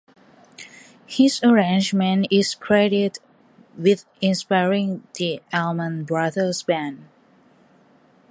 His arrangement is credited with inspiring the Allman Brothers Band.